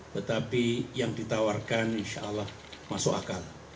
tetapi yang ditawarkan insya allah masuk akal